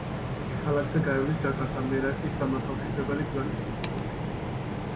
ქალაქზე გაივლის ჯაკარტა–მერაკის დამაკავშირებელი გზატკეცილი.